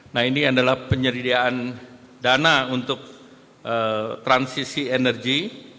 nah ini adalah penyediaan dana untuk transisi energi